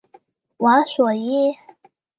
瓦索伊。